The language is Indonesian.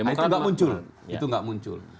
itu tidak muncul